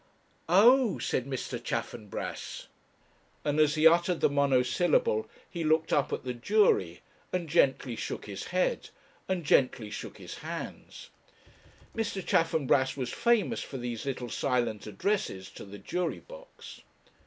'Oh!' said Mr. Chaffanbrass; and as he uttered the monosyllable he looked up at the jury, and gently shook his head, and gently shook his hands. Mr. Chaffanbrass was famous for these little silent addresses to the jury box.